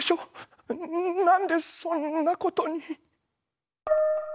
何でそんなことに。